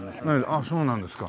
あっそうなんですか。